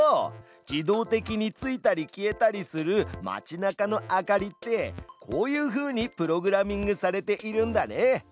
自動的についたり消えたりする街なかの明かりってこういうふうにプログラミングされているんだね。